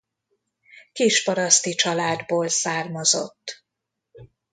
Kisparaszti családból származott.